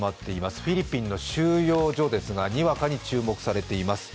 フィリピンの収容所ですが、にわかに注目されています。